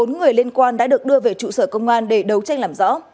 một mươi bốn người liên quan đã được đưa về trụ sở công an để đấu tranh làm rõ